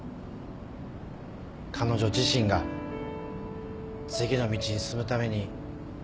彼女自身が次の道に進むために。